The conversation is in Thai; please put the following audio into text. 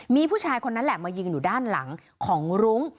มีผู้ชายคนนั้นแหละมายืนอยู่ด้านหลังของรุ้ง